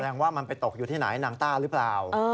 ว่ามันไปตกอยู่ที่ไหนนางต้าหรือเปล่า